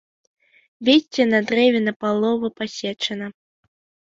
Вецце на дрэве напалову пасечана.